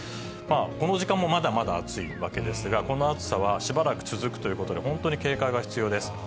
この時間もまだまだ暑いわけですが、この暑さはしばらく続くということで、本当に警戒が必要です。